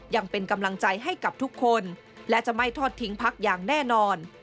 ยังเป็นกำลังใจให้กับทุกคนและจะไม่ทอดทิ้งพักอย่างแน่นอน